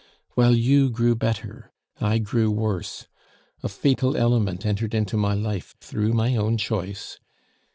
While you grew better, I grew worse; a fatal element entered into my life through my own choice.